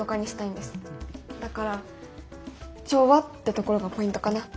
だから「調和」ってところがポイントかな。